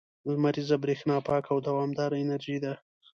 • لمریزه برېښنا پاکه او دوامداره انرژي ده.